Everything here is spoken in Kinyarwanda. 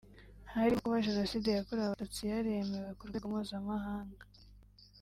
Harimo kuba Jenoside yakorewe abatutsi yaremewe ku rwego mpuzamahanga